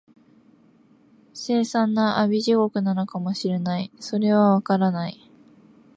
凄惨な阿鼻地獄なのかも知れない、それは、わからない